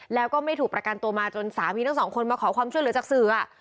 แล้วก็ไม่ถูกประกันตัวมาจนสามีทั้งสองคนมาขอความช่วยเหลือจากสื่อ